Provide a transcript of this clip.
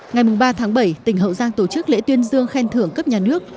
ngày ba tháng bảy tỉnh hậu giang tổ chức lễ tuyên dương khen thưởng cấp nhà nước